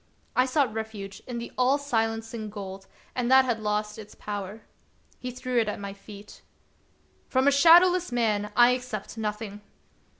I sought refuge in the all silencing gold, and that had lost its power. He threw it at my feet. " From a shadowless man I accept nothing